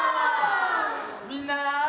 みんな。